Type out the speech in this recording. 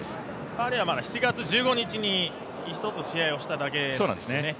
パリは７月１５日に１つ試合をしただけです。